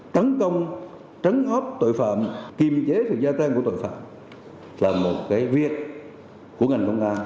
tấn công trấn áp tội phạm kiềm chế sự gia tăng của tội phạm là một cái việc của ngành công an